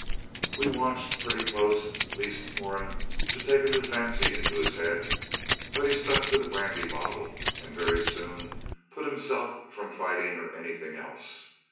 We watched pretty close lest Moran should take a new fancy into his head, but he stuck to the brandy bottle, and very soon put himself from fighting or anything else.